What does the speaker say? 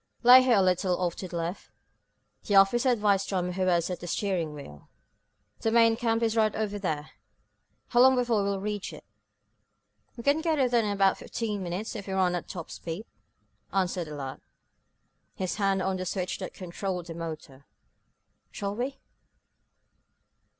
"Lay her a little off to the left," the officer advised Tom who was at the steering wheel. "The main camp is right over there. How long before we will reach it?" "We can get there in about fifteen minutes, if we run at top speed," answered the lad, his hand on the switch that controlled the motor. "Shall we?"